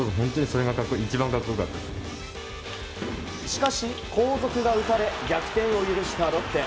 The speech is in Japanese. しかし、後続が打たれ逆転を許したロッテ。